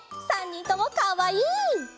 ３にんともかわいい。